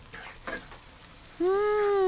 うん！